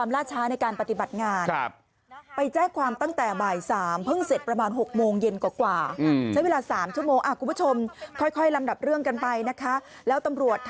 มันยกไหนแล้วถ้าไม่เป็นก็เสียเราไปเลย